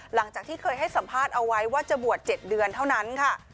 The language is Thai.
หลังจากที่เคยให้สัมภาษณ์เอาไว้ว่าจะบวช๗เดือนเท่านั้นค่ะ